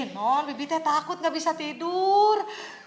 non bibi teh takut gak bisa tidur